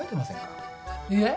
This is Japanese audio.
いいえ。